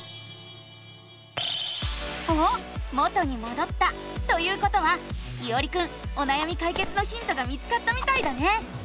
おっ元にもどったということはいおりくんおなやみかいけつのヒントが見つかったみたいだね！